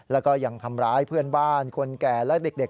แล้วก็ยังทำร้ายเพื่อนบ้านคนแก่และเด็ก